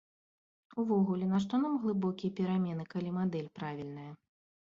Увогуле, нашто нам глыбокія перамены, калі мадэль правільная?